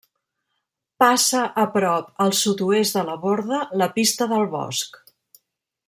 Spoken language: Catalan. Passa a prop al sud-oest de la borda la Pista del Bosc.